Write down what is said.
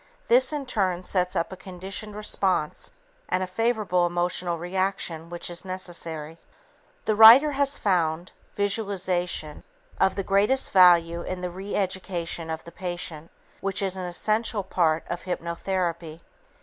This, in turn, sets up a conditioned response and a favorable emotional reaction which is necessary. "The writer has found (visualization) of the greatest value in the re education of the patient, which is an essential part of hypnotherapy.